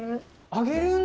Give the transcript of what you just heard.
あげるんだ。